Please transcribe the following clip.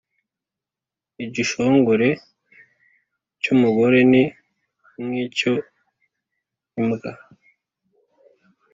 Igishongore cy’umugore ni nk’icyo imbwa.